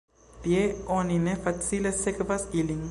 Tie oni ne facile sekvas ilin.